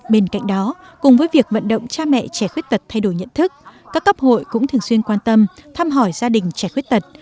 bên cạnh đó cùng với việc vận động cha mẹ trẻ khuyết tật thay đổi nhận thức các cấp hội cũng thường xuyên quan tâm thăm hỏi gia đình trẻ khuyết tật